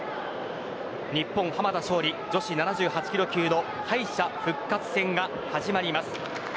日本、濱田尚里女子７８キロ級の敗者復活戦が始まります。